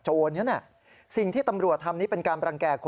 โรงพักโรงพักโรงพัก